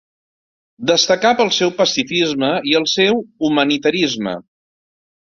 Destacà pel seu pacifisme i el seu humanitarisme.